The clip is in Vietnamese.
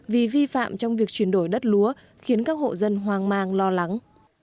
vì vi phạm trong việc chuyển đổi đất lúa khiến các hộ dân hoang mang lo lắng